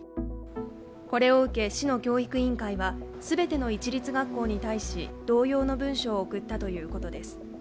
これを受け、市の教育委員会は、全ての市立学校に対し同様の文書を送ったということです。